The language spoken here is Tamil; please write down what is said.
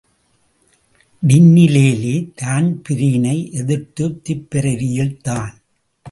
டின்னி லேலி தான்பிரீனை எதிர்த்த்துத் திப்பெரரியில் தான்.